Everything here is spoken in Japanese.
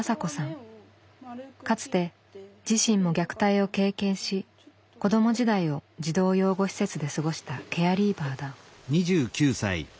かつて自身も虐待を経験し子ども時代を児童養護施設で過ごしたケアリーバーだ。